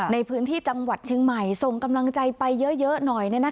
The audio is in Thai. ในพื้นที่จังหวัดเชียงใหม่ส่งกำลังใจไปเยอะหน่อย